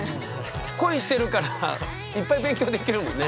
恋してるからいっぱい勉強できるもんね。